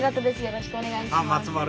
よろしくお願いします。